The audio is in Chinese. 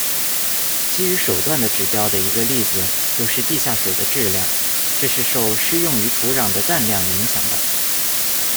基于手段的指标的一个例子就是地下水的质量，这是受施用于土壤的氮量影响的。